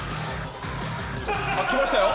来ましたよ